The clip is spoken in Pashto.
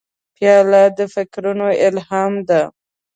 پیاله د فکرونو الهام ده.